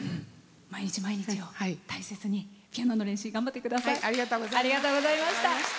毎日毎日を大切にピアノの練習、頑張ってください。